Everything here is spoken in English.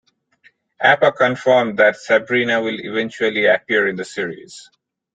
Apa confirmed that Sabrina will eventually appear in the series.